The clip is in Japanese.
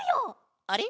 あれ？